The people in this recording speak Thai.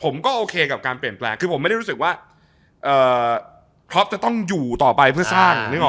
ผมก็โอเคกับการเปลี่ยนแปลงคือผมไม่ได้รู้สึกว่าครอปจะต้องอยู่ต่อไปเพื่อสร้างนึกออก